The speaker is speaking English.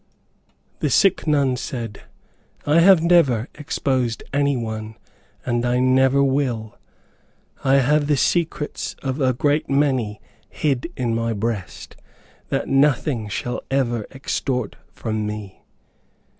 The sick nun said, "I have never exposed any one and I never will. I have the secrets of a great many hid in my breast, that nothing shall ever extort from me."